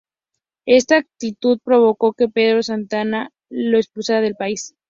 Esta actitud provocó que Pedro Santana lo expulsara del país.